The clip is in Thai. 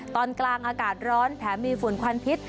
ตอนกลางอากาศร้อนแถมมีฝุ่นควันพิษ